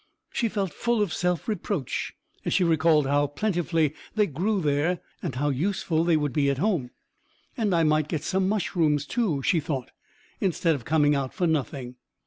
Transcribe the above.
She felt full of self reproach, as she recalled how plentifully they grew there, and how useful they would be at home. "And I might get some mushrooms, too," she thought, "instead of coming out for nothing."